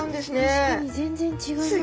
確かに全然違いますね。